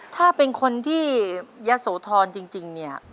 ถ้าเป็นคนที่เยอะโสธรณ์จริงนี่